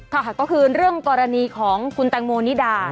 ค่ะก็คือเรื่องกรณีของคุณแตงโมนิดา